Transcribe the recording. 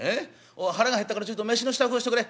腹が減ったからちょっと飯の支度をしとくれ」。